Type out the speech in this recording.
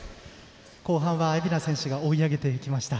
後半は蝦名選手が追い上げていきました。